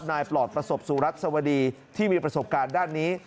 ปลอดประสบสุรัสสวดีที่มีประสบการณ์ด้านนี้